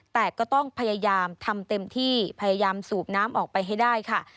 แต่ก็ต้องพยายามทำเต็มที่พยายามสูบน้ำออกไปให้ได้ค่ะ